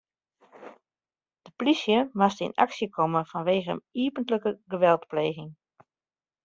De polysje moast yn aksje komme fanwegen iepentlike geweldpleging.